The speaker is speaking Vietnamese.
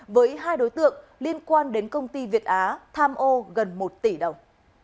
với hai đối tượng liên quan đến công ty việt á tham ô gần một tỷ đồng